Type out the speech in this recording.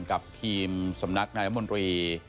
กับทีมสำนักนายรัฐมนตรี